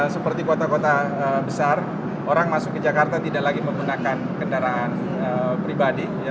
seperti kota kota besar orang masuk ke jakarta tidak lagi menggunakan kendaraan pribadi